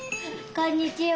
こんにちは。